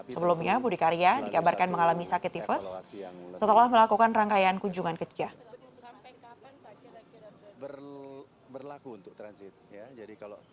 sebelumnya budi karya dikabarkan mengalami sakit tifus setelah melakukan rangkaian kunjungan kerja